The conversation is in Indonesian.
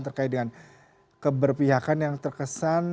terkait dengan keberpihakan yang terkesan